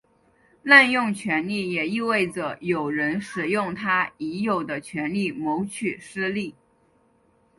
滥用权力也意味着有人使用他已有的权力谋取私利。